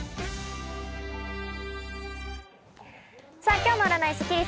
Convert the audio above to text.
今日の占いスッキリす。